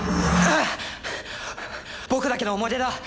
僕だけの思い出だ！